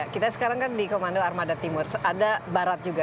kita sekarang kan di komando armada timur ada barat juga